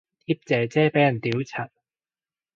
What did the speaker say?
貼姐姐俾人屌柒